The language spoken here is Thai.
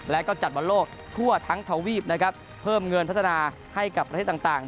และก็จัดบอลโลกทั่วทั้งทวีปนะครับเพิ่มเงินพัฒนาให้กับประเทศต่าง